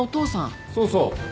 そうそう。